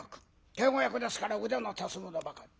警護役ですから腕の立つ者ばかり。